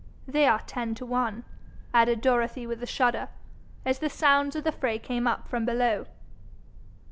They are ten to one,' added Dorothy with a shudder, as the sounds of the fray came up from below.